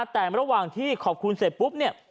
แต่ระหว่างที่ขอบคุณเสร็จปุ๊บเนี่ย